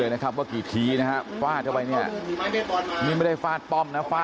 นี่ผู้ชายคนนี้นะฮะ